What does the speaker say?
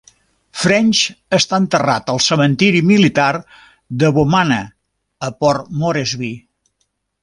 French està enterrat al cementiri militar de Bomana a Port Moresby.